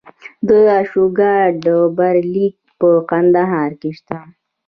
د اشوکا ډبرلیک په کندهار کې شته